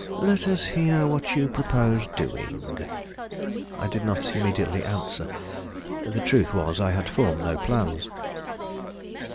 "Let us hear what you propose doing." I did not immediately answer. The truth was, I had formed no plans.